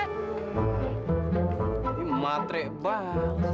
ini matre banget